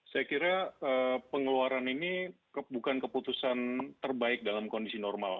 saya kira pengeluaran ini bukan keputusan terbaik dalam kondisi normal